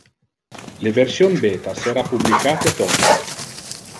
Le version beta sera publicate tosto.